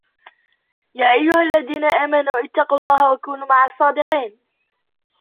يا أيها الذين آمنوا اتقوا الله وكونوا مع الصادقين